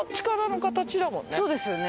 そうですよね。